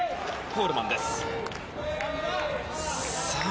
コールマンです。